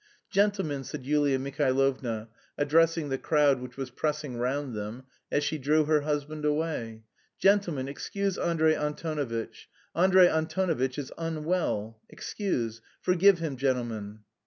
"Gentlemen," said Yulia Mihailovna, addressing the crowd which was pressing round them, as she drew her husband away "gentlemen, excuse Andrey Antonovitch. Andrey Antonovitch is unwell... excuse... forgive him, gentlemen."